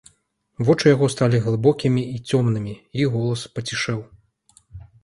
Вочы яго сталі глыбокімі і цёмнымі, і голас пацішэў.